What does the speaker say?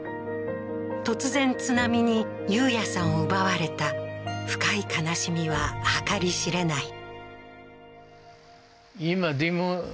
突然津波に憂哉さんを奪われた深い悲しみは計り知れない